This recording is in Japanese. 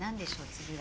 次は。